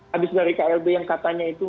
habis dari klb yang katanya itu